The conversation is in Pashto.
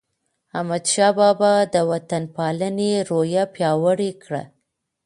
احمدشاه بابا د وطن پالنې روحیه پیاوړې کړه.